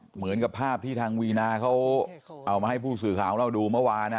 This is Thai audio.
เหมือนกับภาพที่ทางวีนาเขาเอามาให้ผู้สื่อข่าวของเราดูเมื่อวาน